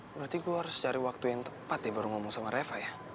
berarti gue harus cari waktu yang tepat nih baru ngomong sama reva ya